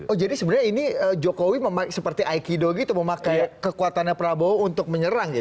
oh jadi sebenarnya ini jokowi seperti aikido gitu memakai kekuatannya prabowo untuk menyerang